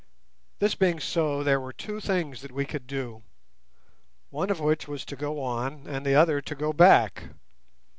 This being so, there were two things that we could do—one of which was to go on, and the other to go back.